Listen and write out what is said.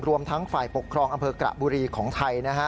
รวมทั้งฝ่ายปกครองอำเภอกระบุรีของไทยนะฮะ